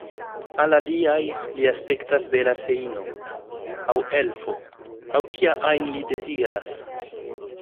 Al aliaj li aspektas bela feino, aŭ elfo, aŭ kia ajn li deziras.